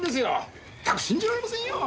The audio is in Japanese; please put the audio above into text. ったく信じられませんよ！